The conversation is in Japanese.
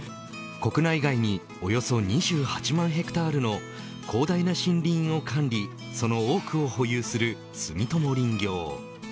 国内外におよそ２８万ヘクタールの広大な森林を管理その多くを保有する住友林業。